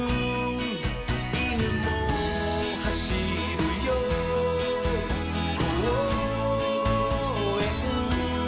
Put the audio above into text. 「いぬもはしるよこうえん」